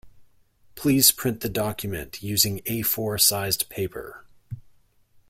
Please print the document using A-four sized paper.